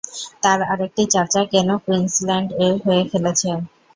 তার আরেকটি চাচা কেন কুইন্সল্যান্ড এর হয়ে খেলেছেন।